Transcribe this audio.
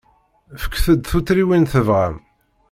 Fket-d tuttriwin tebɣam.